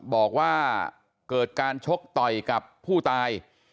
บอกว่าเกิดการชกต่อยกับผู้ตาย